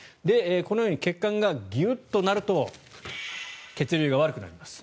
このように血管がギュッとなると血流が悪くなります。